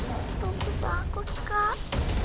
aku takut kak